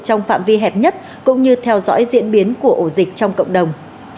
trong phạm vi hẹp nhất cũng như theo dõi diễn biến của ổ dịch trong cộng đồng